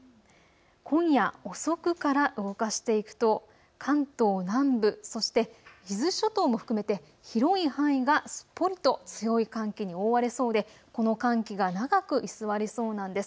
今夜遅くから動かしていくと関東南部、そして伊豆諸島も含めて広い範囲がすっぽりと強い寒気に覆われそうでこの寒気が長く居座りそうなんです。